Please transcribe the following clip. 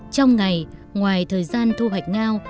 trong ngày ngoài thời gian thu hoạch ngao